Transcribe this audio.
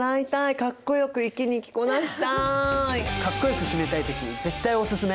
かっこよく決めたい時に絶対オススメ！